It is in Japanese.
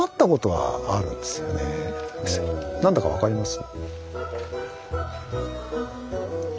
何だか分かります？